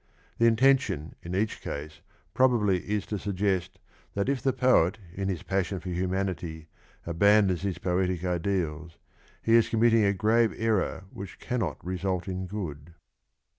The intention in each case probably is to suggest that if the poet in his passion for humanity abandons his poetic ideals he is committing a grave error which cannot result in good.